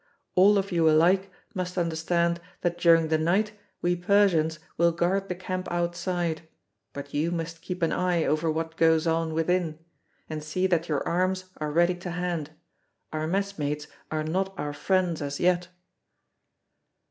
All of you alike must understand that during the night we Persians will guard the camp outside, but you must keep an eye over what goes on within; and see that your arms are ready to hand; our messmates are not our friends as yet."